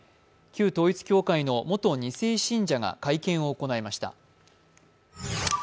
旧統一教会の元２世信者が会見を行いました。